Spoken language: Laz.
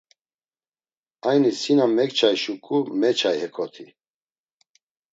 Ayni si na mekçay şuǩu meçay hekoti!